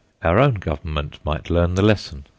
Our own Government might learn the lesson.